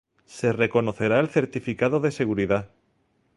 Se reconocerá el certificado de seguridad